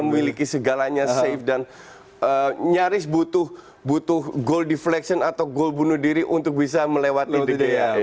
memiliki segalanya safe dan nyaris butuh goal difflection atau gol bunuh diri untuk bisa melewati dunia